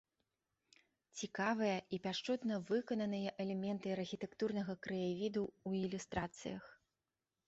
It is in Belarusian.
Цікавыя і пяшчотна выкананыя элементы архітэктурнага краявіду ў ілюстрацыях.